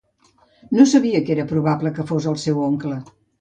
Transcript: No sabia que era probable que fos el meu oncle.